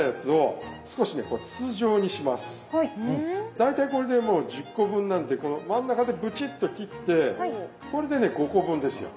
大体これでもう１０個分なんでこの真ん中でブチッと切ってこれでね５個分ですよ。